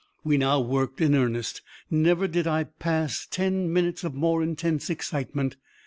We now worked in earnest, and never did I pass ten minutes of more intense excitement.